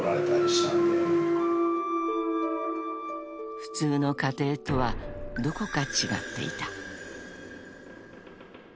［普通の家庭とはどこか違っていた］